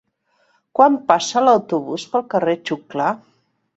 Quan passa l'autobús pel carrer Xuclà?